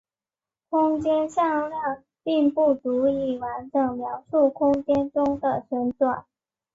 空间向量并不足以完整描述空间中的旋转。